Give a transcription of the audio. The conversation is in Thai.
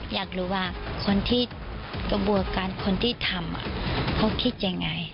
อยากรู้ว่าคนที่กระบวนการคนที่ทำเขาคิดยังไง